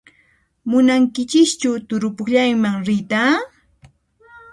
Munankichischu turupukllayman riyta?